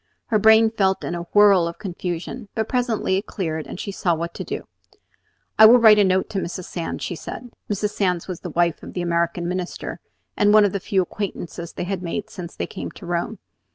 Her brain felt in a whirl of confusion; but presently it cleared, and she saw what to do. "I will write a note to Mrs. Sands," she said. Mrs. Sands was the wife of the American Minister, and one of the few acquaintances they had made since they came to Rome.